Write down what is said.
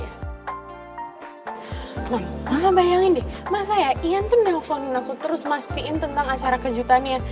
mam mama bayangin masa ya ian tuh nelfonin aku terus mastiin tentang acara kejutannya